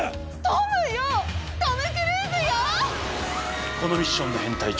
トム・クルーズよ！